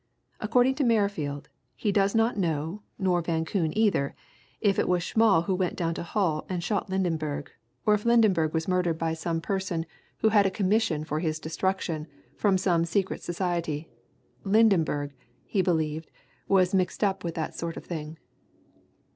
According to Merrifield, he does not know, nor Van Koon either, if it was Schmall who went down to Hull and shot Lydenberg, or if Lydenberg was murdered by some person who had a commission for his destruction from some secret society Lydenberg, he believed, was mixed up with that sort of thing."